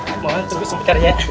mau tunggu sempiternya ya